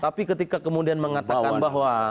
tapi ketika kemudian mengatakan bahwa